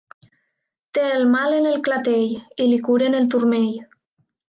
Té el mal en el clatell i li curen el turmell.